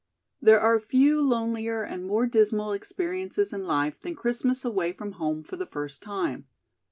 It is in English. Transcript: There are few lonelier and more dismal experiences in life than Christmas away from home for the first time.